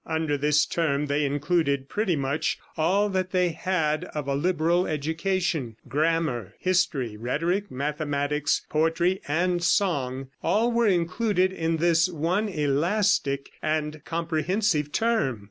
Under this term they included pretty much all that they had of a liberal education; grammar, history, rhetoric, mathematics, poetry and song all were included in this one elastic and comprehensive term.